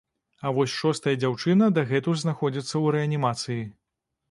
А вось шостая дзяўчына дагэтуль знаходзіцца ў рэанімацыі.